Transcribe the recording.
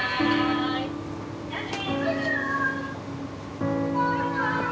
「じゃあね！」。